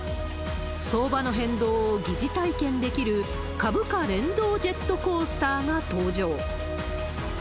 相場の変動を疑似体験できる、株価連動ジェットコースターが登場。